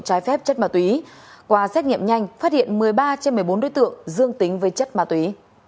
trái phép chất ma túy qua xét nghiệm nhanh phát hiện một mươi ba trên một mươi bốn đối tượng dương tính với chất ma túy